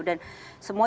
dan semua itu